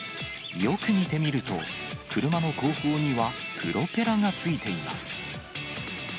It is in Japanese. よく見てみると、クルマの後方にはプロペラがついています。